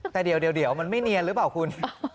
แต่เดี๋ยวมันไม่เนียนหรือเปล่าคุณ